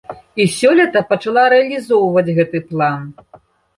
І сёлета пачала рэалізоўваць гэты план.